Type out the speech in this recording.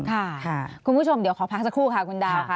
คุณผู้ชมเดี๋ยวขอพักสักครู่ค่ะคุณดาวค่ะ